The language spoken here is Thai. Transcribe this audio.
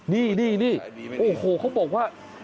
นี่โอ้โหเขาบอกว่า